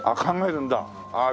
考えるんだ。